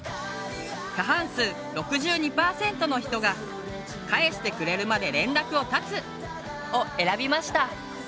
過半数６２％の人が「返してくれるまで連絡を断つ」を選びました。